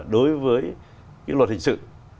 đối với cái luật hình sự